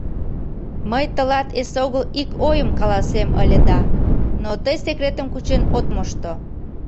Мый тылат эсогыл ик ойым каласем ыле да, но тый секретым кучен от мошто.